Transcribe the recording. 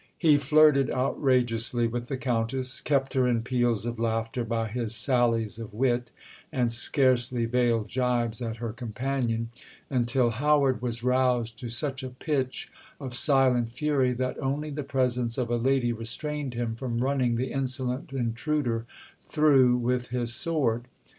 He flirted outrageously with the Countess, kept her in peals of laughter by his sallies of wit and scarcely veiled gibes at her companion, until Howard was roused to such a pitch of silent fury that only the presence of a lady restrained him from running the insolent intruder through with his sword.